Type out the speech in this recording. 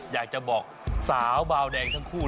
อยากจะบอกสาวบาวแดงทั้งคู่